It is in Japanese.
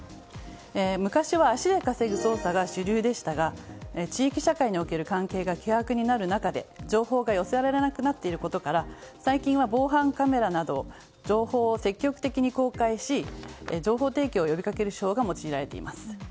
昔は足で稼ぐ捜査が主流でしたが地域社会における関係が希薄になる中で情報が寄せられなくなっていることから最近は防犯カメラなど情報を積極的に公開し情報提供を呼びかける手法が用いられています。